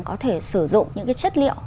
có thể sử dụng những cái chất liệu